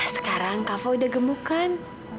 sekarang kava udah gemuk kan